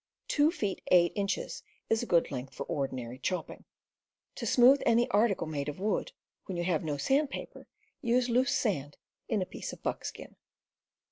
Two feet eight inches is a good length for ordinary chopping. To smoothe any article made of wood, when you have no sandpaper, use loose sand in a piece of buck skin.